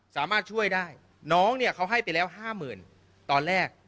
สามารถช่วยได้น้องเนี่ยเขาให้ไปแล้วห้าหมื่นตอนแรก